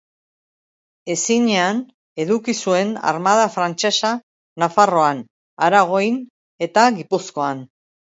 Ezinean eduki zuen armada frantsesa Nafarroan, Aragoin eta Gipuzkoan.